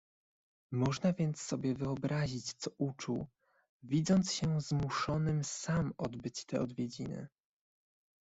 "Można więc sobie wyobrazić co uczuł, widząc się zmuszonym sam odbyć te odwiedziny."